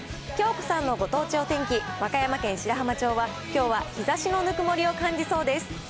きょうこさんのご当地お天気、和歌山県白浜町は、きょうは日ざしのぬくもりを感じそうです。